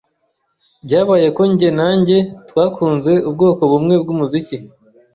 Byabaye ko njye na njye twakunze ubwoko bumwe bwumuziki.